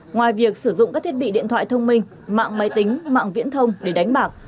ngoài việc sử dụng các thiết bị điện thoại thông minh mạng máy tính mạng viễn thông để đánh bạc